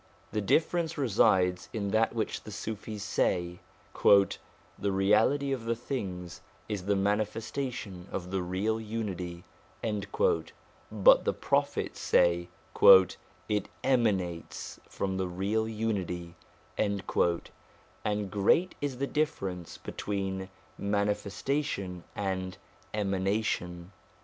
The difference resides in that which the Sufis say :' The reality of the things is the manifestation of the Real Unity.' But the Prophets say ' it emanates from the Real Unity '; and great is the difference between manifestation and emanation.